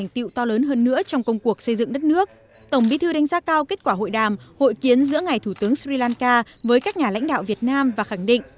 tổng bí thư đánh giá cao kết quả hội đàm hội kiến giữa ngài thủ tướng sri lanka với các nhà lãnh đạo việt nam và khẳng định